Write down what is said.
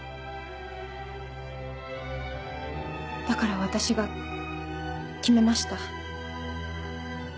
だから私が決めました。